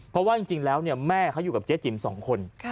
เพราะว่าจริงแล้วแม่เขาอยู่กับเจ๊จิ๋ม๒คน